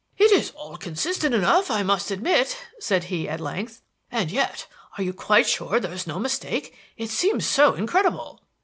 "It is all consistent enough, I must admit," said he, at length, "and yet are you quite sure there is no mistake? It seems so incredible."